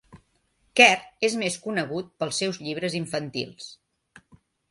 Kerr és més conegut pels seus llibres infantils.